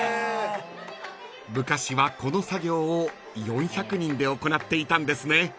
［昔はこの作業を４００人で行っていたんですね］